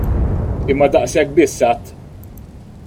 Imma daqshekk biss għidt!